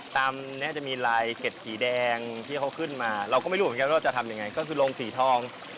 ตามนี้จะมีลายเกร็ดสีแดงที่เขาขึ้นมาเราก็ไม่รู้เหมือนกันว่าจะทำยังไงก็คือโรงสีทอง